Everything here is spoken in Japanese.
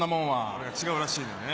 これが違うらしいのよね。